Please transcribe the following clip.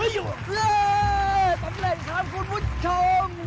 หยุดสำเร็จครับคุณผู้ชม